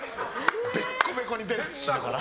ベッコベコにベンツしながら。